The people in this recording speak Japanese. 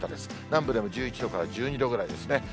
南部でも１１度から１２度ぐらいですね。